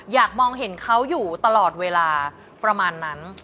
อยากมองเห็นเขาอยู่ตลอดเวลาประมาณนั้น